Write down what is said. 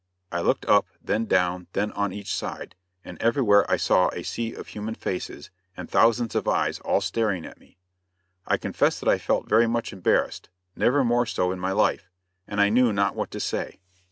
I looked up, then down, then on each side, and everywhere I saw a sea of human faces, and thousands of eyes all staring at me. I confess that I felt very much embarrassed never more so in my life and I knew not what to say.